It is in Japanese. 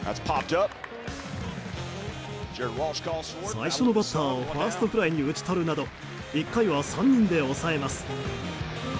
最初のバッターをファーストフライに打ち取るなど１回は３人で抑えます。